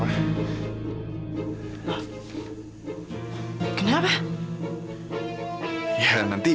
gak mereka disini